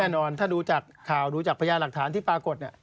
แน่นอนถ้าดูจากข่าวดูจากพญาหลักฐานที่ปรากฏ